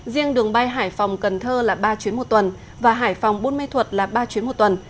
riêng đường bay hải phòng cần thơ là ba chuyến một tuần và hải phòng bôn mê thuật là ba chuyến một tuần